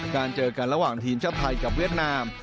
เจอกันระหว่างทีมชาติไทยกับเวียดนาม